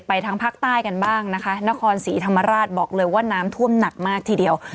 ทางภาคใต้กันบ้างนะคะนครศรีธรรมราชบอกเลยว่าน้ำท่วมหนักมากทีเดียว